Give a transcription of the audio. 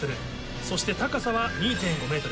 そして高さは２．５ｍ。